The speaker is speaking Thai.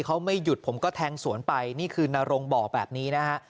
เขาไม่หยุดผมก็แทงสวนไปนี่คือนรงบอกแบบนี้นะฮะ